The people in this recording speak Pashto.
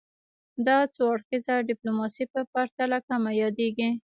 دا د څو اړخیزه ډیپلوماسي په پرتله کمه یادیږي